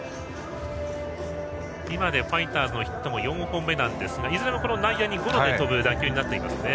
今でファイターズのヒットも４本目なんですがいずれも内野にゴロが飛ぶ打球になっていますね。